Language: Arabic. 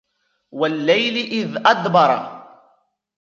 والليل إذ أدبر